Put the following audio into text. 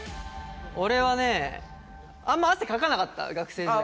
俺はねあんま汗かかなかった学生時代。